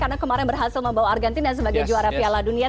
karena kemarin berhasil membawa argentina sebagai juara piala dunia